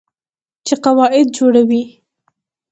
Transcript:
چې قواعد جوړوي.